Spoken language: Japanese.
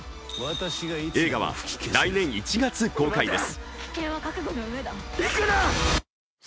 映画は来年１月公開です。